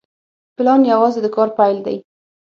پلان یوازې د کار پیل دی